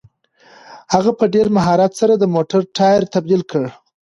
هغه په ډېر مهارت سره د موټر ټایر تبدیل کړ.